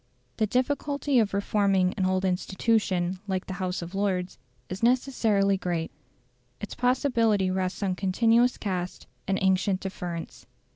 The difficulty of reforming an old institution like the House of Lords is necessarily great; its possibility rests on continuous caste and ancient deference.